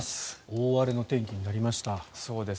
大荒れの天気になりました。